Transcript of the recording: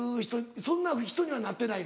そんな人にはなってないの？